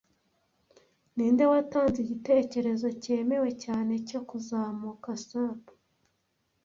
Ninde watanze igitekerezo cyemewe cyane cyo kuzamuka sap